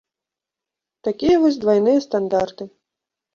Такія вось двайныя стандарты.